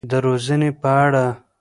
د روزنې په اړه.